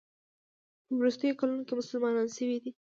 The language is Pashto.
په وروستیو کلونو کې مسلمان شوی دی.